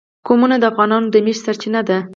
قومونه د افغانانو د معیشت سرچینه ده.